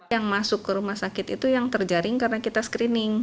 yang masuk ke rumah sakit itu yang terjaring karena kita screening